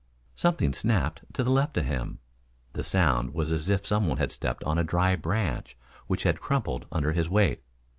Something snapped to the left of him. The sound was as if some one had stepped on a dry branch which had crumpled under his weight.